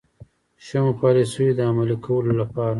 شومو پالیسیو د عملي کولو لپاره.